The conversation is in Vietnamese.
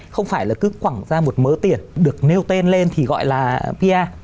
không phải là cứ quảng ra một mớ tiền được nêu tên lên thì gọi là pr